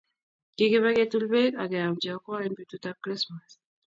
kikibe ketuul beek ak keam che yokwoen betutab krismas